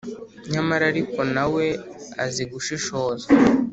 Nyamara ariko na we azi gushishoza: